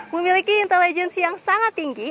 memiliki intelijensi yang sangat tinggi